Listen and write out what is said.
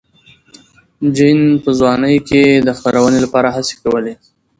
جین په ځوانۍ کې د خپرونې لپاره هڅې کولې.